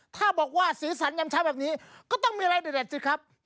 ถ้าบอกว่าสีสันยำเช้าแบบนี้ก็ต้องมีอะไรเด็ดสิครับ